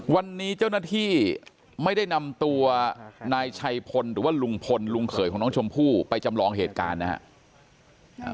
วันนี้เจ้าหน้าที่ไม่ได้นำตัวนายชัยพลหรือว่าลุงพลลุงเขยของน้องชมพู่ไปจำลองเหตุการณ์นะครับ